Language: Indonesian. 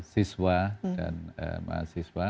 siswa dan mahasiswa